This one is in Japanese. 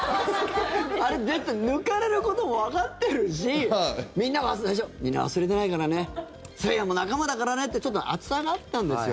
あれ、だって抜かれることもわかってるしみんなは最初みんな忘れてないからね誠也も仲間だからねってちょっと熱さがあったんですよ。